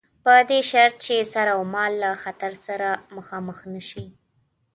په دې شرط چې سر اومال له خطر سره مخامخ نه شي.